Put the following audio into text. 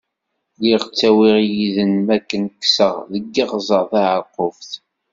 Lliɣ ttawiɣ yid-i n makken kesseɣ deg Iɣzeṛ Tɛerqubt.